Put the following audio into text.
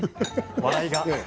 笑いが。